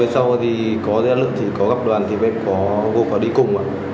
rồi sau thì có rẽ lưỡng thì có gặp đoàn thì em có gồm có đi cùng ạ